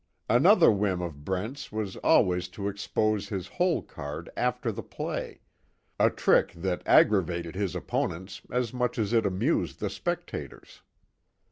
Another whim of Brent's was always to expose his hole card after the play, a trick that aggravated his opponents as much as it amused the spectators.